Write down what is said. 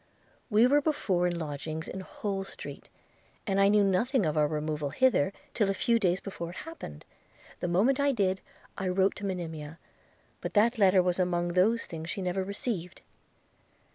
We were before in lodgings in Holles Street, and I knew nothing of our removal hither till a few days before it happened. The moment I did, I wrote to Monimia; but that letter was among those she never received.'